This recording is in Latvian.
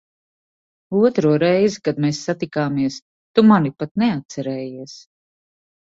Otro reizi, kad mēs satikāmies, tu mani pat neatcerējies.